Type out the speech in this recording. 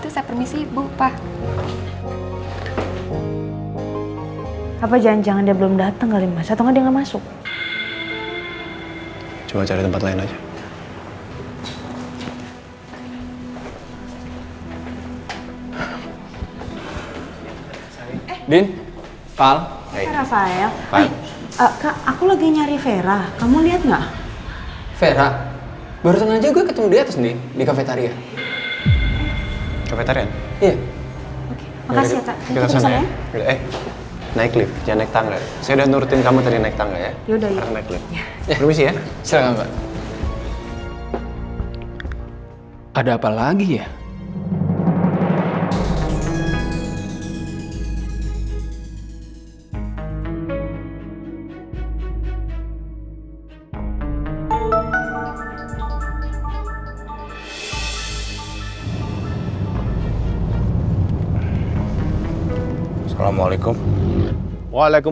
sampai jumpa di video selanjutnya